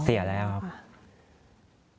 เสียแล้วครับ